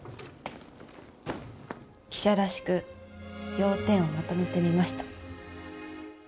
記者らしく要点をまとめてみました。